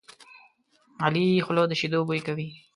د علي خوله د شیدو بوی کوي.